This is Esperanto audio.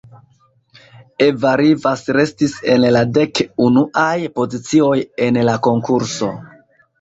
Eva Rivas restis en la dek unuaj pozicioj en la konkurso.